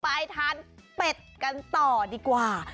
ไปทานเป็ดกันต่อดีกว่า